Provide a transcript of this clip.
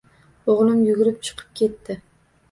O`g`lim yugurib chiqib ketdi